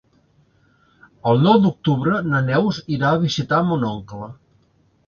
El nou d'octubre na Neus irà a visitar mon oncle.